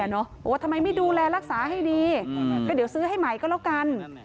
บอกว่าทำไมไม่ดูแลรักษาให้ดีก็เดี๋ยวซื้อให้ใหม่ก็แล้วกัน